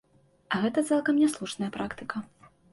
А гэта цалкам няслушная практыка.